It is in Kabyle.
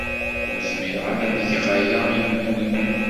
Ur zmireɣ ara ad geɣ aya iman-iw.